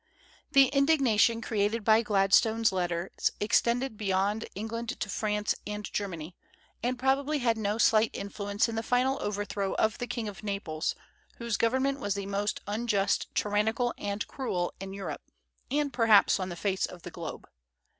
The indignation created by Gladstone's letters extended beyond England to France and Germany, and probably had no slight influence in the final overthrow of the King of Naples, whose government was the most unjust, tyrannical, and cruel in Europe, and perhaps on the face of the globe.